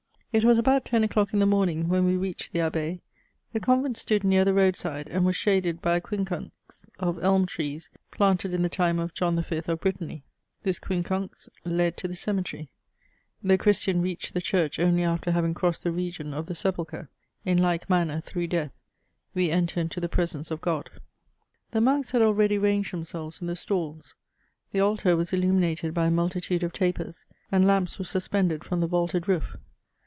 It was about ten o'clock in the morning when we reached the Abbaye. The convent stood near the road side, and was shaded by a quincunx of elm trees, planted in the time ef John V. of Brittany. This quincunx led to the cemetery ;— the christian reached the church only after having crossed the region of the sepulchre t in Uke manner, through death, we enter into the presence of God. The monks had ahready ranged themselves in the stalls ; the altar was illuminated by a multitude of tapers; and lamps were suspended from the vaulted roof.